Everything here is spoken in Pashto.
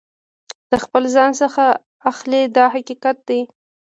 د خپل ځان څخه اخلي دا حقیقت دی.